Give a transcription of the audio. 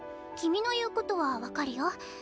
君の言うことは分かるよ。